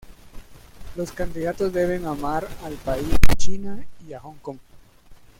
Los candidatos deben amar al país China y a Hong Kong.